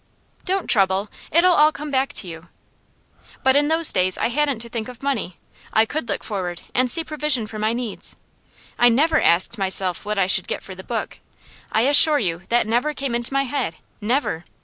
'Don't trouble; it'll all come back to you.' 'But in those days I hadn't to think of money. I could look forward and see provision for my needs. I never asked myself what I should get for the book; I assure you, that never came into my head never.